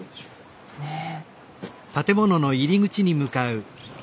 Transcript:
ねえ。